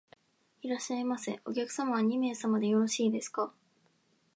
いらっしゃいませ。お客様は二名様でよろしいですか？